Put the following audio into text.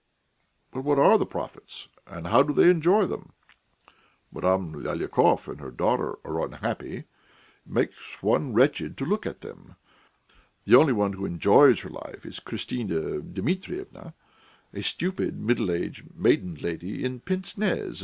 But what are the profits, and how do they enjoy them? Madame Lyalikov and her daughter are unhappy it makes one wretched to look at them; the only one who enjoys her life is Christina Dmitryevna, a stupid, middle aged maiden lady in pince nez.